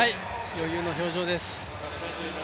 余裕の表情です。